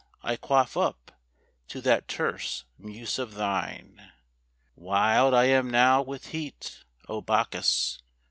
I quaff up To that terse muse of thine. Wild I am now with heat: O Bacchus!